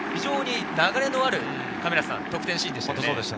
流れのある得点シーンでした。